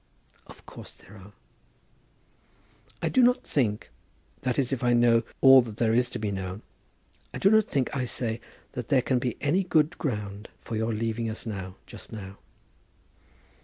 "Of course there are." "I do not think, that is, if I know all that there is to be known, I do not think, I say, that there can be any good ground for your leaving us now, just now."